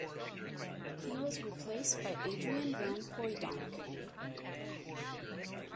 He was replaced by Adrian van Hooydonk.